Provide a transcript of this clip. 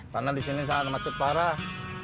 karena disini sangat macet parah